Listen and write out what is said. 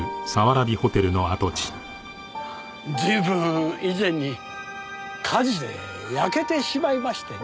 随分以前に火事で焼けてしまいましてね。